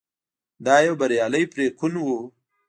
دا یو بریالی پرېکون و.